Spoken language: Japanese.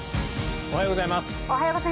おはようございます。